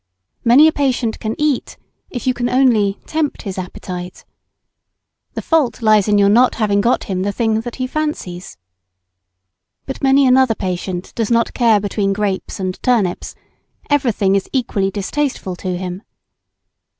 Many a patient can eat, if you can only "tempt his appetite." The fault lies in your not having got him the thing that he fancies. But many another patient does not care between grapes and turnips everything is equally distasteful to him.